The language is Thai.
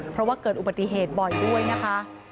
เพราะว่าเกิดอุบัติเหตุบ่อยด้วยนะคะ